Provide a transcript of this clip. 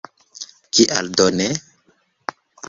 Kial do ne?